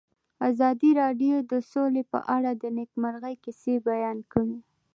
ازادي راډیو د سوله په اړه د نېکمرغۍ کیسې بیان کړې.